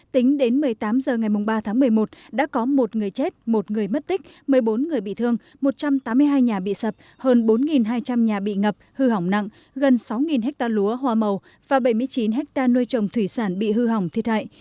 tính đến một mươi tám h ngày ba tháng một mươi một đã có một người chết một người mất tích một mươi bốn người bị thương một trăm tám mươi hai nhà bị sập hơn bốn hai trăm linh nhà bị ngập hư hỏng nặng gần sáu ha lúa hoa màu và bảy mươi chín ha nuôi trồng thủy sản bị hư hỏng thiệt hại